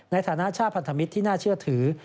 ในฐานะชาติพันธมิตรที่น่าเชื่อถือ